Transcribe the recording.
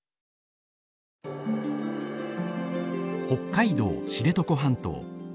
北海道知床半島。